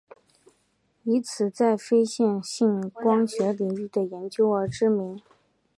以其在非线性光学领域的研究而知名。